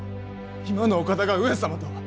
今のお方が上様とは！